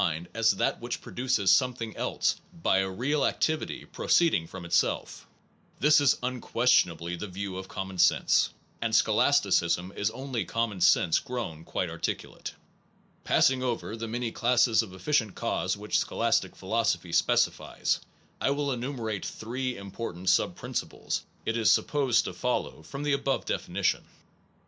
100 NOVELTY AND CAUSATION that which produces something else by a real activity proceeding from itself. This is unques Scholasti tionably the view of common sense; efficient anc ^ scholasticism is only common cause sense grown quite articulate. Passing over the many classes of efficient cause which scholastic philosophy specifies, I will enumer ate three important sub principles it is sup posed to follow from the above definition.